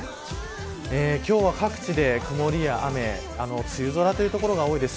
今日は各地で曇りや雨梅雨空という所が多いです。